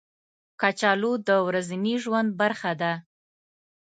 کچالو د ورځني ژوند برخه ده